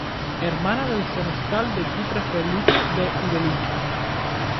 Hermana del senescal de Chipre Felipe de Ibelín.